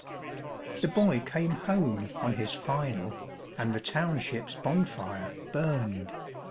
The boy came home on his "final", and the township's bonfire burned.